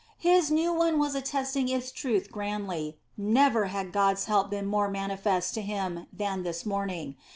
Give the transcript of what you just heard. His new one was attesting its truth grandly; never had God's help been more manifest to him than this morning.